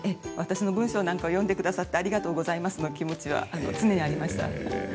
私の文章なんかを読んでくださってありがとうございますの気持ちは常にありました。